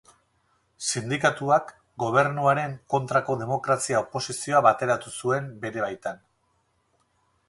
Sindikatuak Gobernu haren kontrako demokrazia-oposizioa bateratu zuen bere baitan.